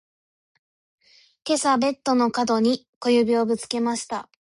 今朝ベッドの角に小指をぶつけました。